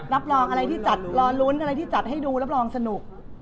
รับรองอะไรที่จัดรอลุ้นอะไรที่จัดให้ดูรับรองสนุก